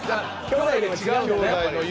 兄弟で違うんだね。